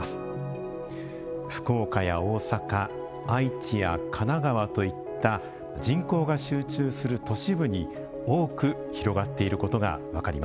福岡や大阪愛知や神奈川といった人口が集中する都市部に多く広がっていることが分かります。